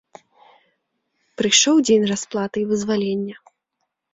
Прыйшоў дзень расплаты і вызвалення.